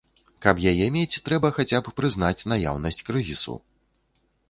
Каб яе мець, трэба хаця б прызнаць наяўнасць крызісу.